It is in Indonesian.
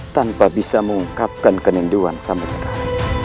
tanpa bisa mengungkapkan keninduan sama sekali